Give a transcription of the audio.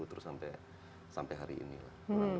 terus sampai hari ini lah